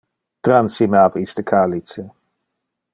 Transi ab me iste calice.